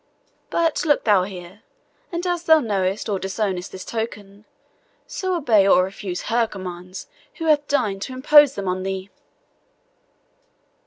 But look thou here, and as thou knowest or disownest this token, so obey or refuse her commands who hath deigned to impose them on thee."